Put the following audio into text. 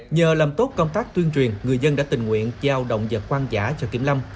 nhờ làm tốt công tác tuyên truyền người dân đã tình nguyện giao động vật hoang dã cho kiểm lâm